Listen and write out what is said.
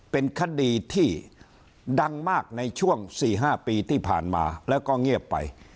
เป็นคดีที่ดังมากในช่วง๔๕ปีที่ผ่านมาแล้วก็เงียบไป